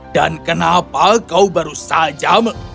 dan kenapa kau baru saja